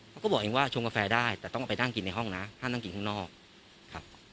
เขาบอกเองว่าชงกาแฟได้แต่ต้องเอาไปนั่งกินในห้องนะห้ามนั่งกินข้างนอกครับ